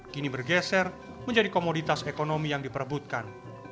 kini bergeser menjadi komoditas ekonomi yang diperebutkan